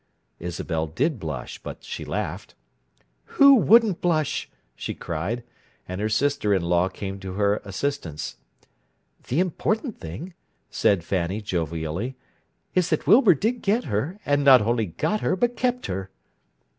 Isabel did blush, but she laughed. "Who wouldn't blush!" she cried, and her sister in law came to her assistance. "The important thing," said Fanny jovially, "is that Wilbur did get her, and not only got her, but kept her!"